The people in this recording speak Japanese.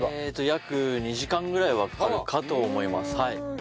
約２時間ぐらいはかかるかと思います。